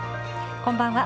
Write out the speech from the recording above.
こんばんは。